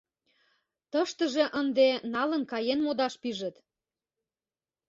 Тыштыже ынде налын каен модаш пижыт.